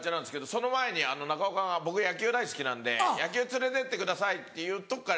その前に中岡が僕野球大好きなんで野球連れてってくださいっていうとこから。